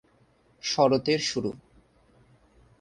শরতের শুরু।